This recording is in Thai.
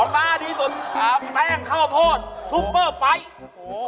ของน้าที่สุดแป้งข้าวโพดซุปเปอร์ไฟท์